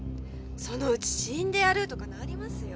そのうち死んでやるとかなりますよ。